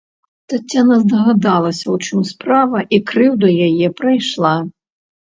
Таццяна здагадалася, у чым справа, і крыўда яе прайшла.